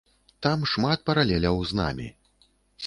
Там шмат паралеляў з намі.